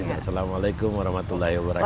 assalamualaikum warahmatullahi wabarakatuh